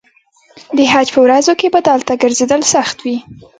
د حج په ورځو کې به دلته ګرځېدل سخت وي.